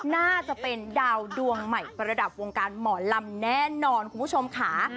น่าจะเป็นดาวดวงใหม่ประดับวงการหมอลำแน่นอนคุณผู้ชมค่ะ